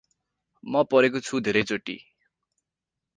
म परेको छु धेरै चोटि ।